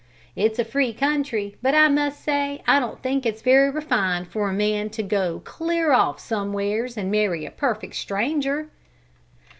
It's a free country, but I must say I don't think it's very refined for a man to go clear off somewheres and marry a perfect stranger!"